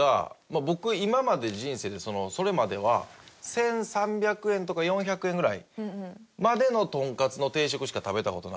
僕今まで人生でそれまでは１３００円とか１４００円ぐらいまでのトンカツの定食しか食べた事なくて。